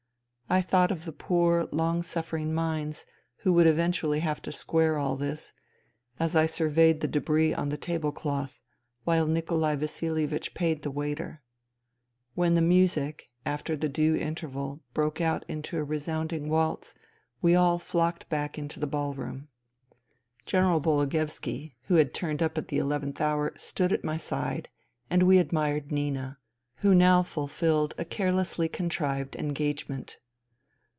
I thought of the poor, long suffering mines who would eventually have to square all this, as I surveyed the debris on the tablecloth, while Nikolai Vasilievich paid the waiter. When the music, after the due interval, broke out into a resounding waltz, we all flocked back into the ball room. INTERVENING IN SIBERIA 133 General Bologoevski, who had turned up at the eleventh hour, stood at my side, and we admired Nina, who now fulfilled a carelessly contrived engage ment.